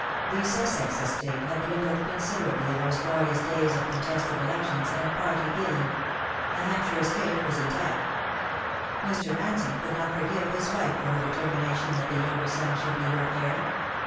The Sussex estate had dwindled considerably in those glorious days of contested elections and party feeling ; the Hampshire estate was intact. Mr. Ransome could not forgive his wife for her determination that the younger son should be her heir.